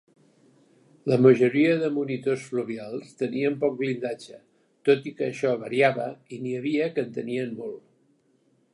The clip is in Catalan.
La majoria de monitors fluvials tenien poc blindatge, tot i que això variava i n'hi havia que en tenien molt.